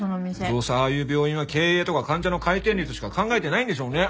どうせああいう病院は経営とか患者の回転率しか考えてないんでしょうね。